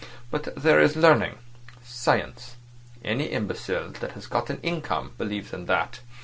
But there is learning—science. Any imbecile that has got an income believes in that.